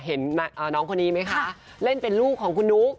เห็นน้องคนนี้ไหมคะเล่นเป็นลูกของคุณนุ๊ก